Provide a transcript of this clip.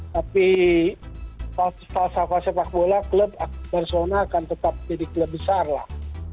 tapi falsa falsa sepak bola barcelona akan tetap jadi klub besar lah